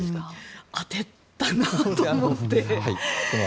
当てたなと思って。